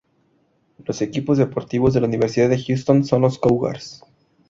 Los equipos deportivos de la Universidad de Houston son los Cougars.